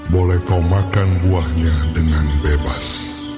boleh kau makan buahnya dengan bebas